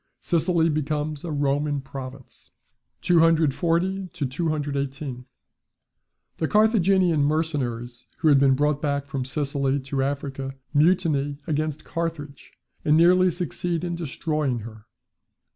Sicily becomes a Roman province. 240 to 218. The Carthaginian mercenaries who had been brought back from Sicily to Africa, mutiny against Carthage, and nearly succeed in destroying her.